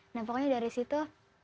nah pokoknya dari situ